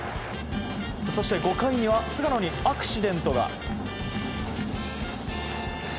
そして、５回には菅野にアクシデントが。